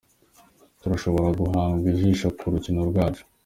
Turashobora guhanga ijisho ku rukino rwacu.